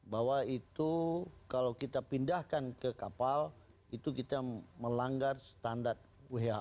bahwa itu kalau kita pindahkan ke kapal itu kita melanggar standar who